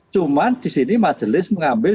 cuman disini majelis mengambil